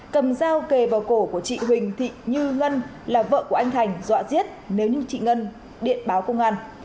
cầm dao kề vào cổ của chị huỳnh thị như ngân là vợ của anh thành dọa giết nếu như chị ngân điện báo công an